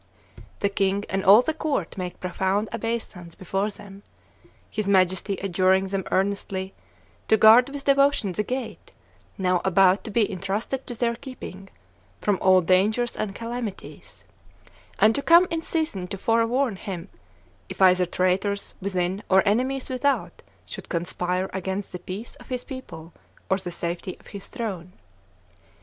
The king and all the court make profound obeisance before them, his Majesty adjuring them earnestly "to guard with devotion the gate, now about to be intrusted to their keeping, from all dangers and calamities; and to come in season to forewarn him, if either traitors within or enemies without should conspire against the peace of his people or the safety of his throne."